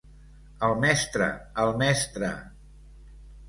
El Mestre, el Mestre!